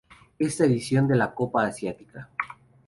Esta edición de la Copa Asiática.